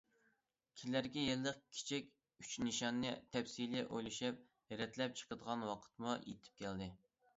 كېلەركى يىللىق كىچىك ئۈچ نىشاننى تەپسىلىي ئويلىشىپ، رەتلەپ چىقىدىغان ۋاقىتمۇ يېتىپ كەلدى.